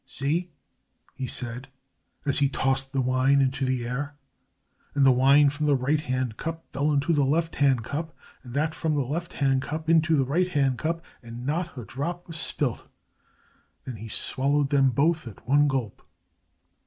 "See," he said, and he tossed the wine into the air, and the wine from the right hand cup fell into the left hand cup and that from the left hand cup into the right and not a drop was spilt. Then he swallowed them both at one gulp.